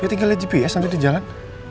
ya tinggal lihat gps nanti di jalan